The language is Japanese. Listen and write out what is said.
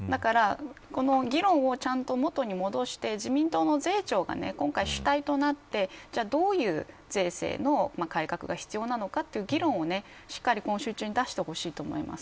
この議論をちゃんと元に戻して自民党の税調が今回主体となってどういう税制の改革が必要なのかという議論をしっかりと今週中に出してほしいと思います。